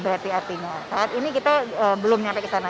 jadi artinya saat ini kita belum sampai kesana